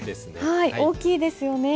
はい大きいですよね。